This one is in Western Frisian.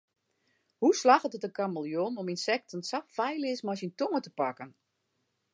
Hoe slagget it de kameleon om ynsekten sa feilleas mei syn tonge te pakken?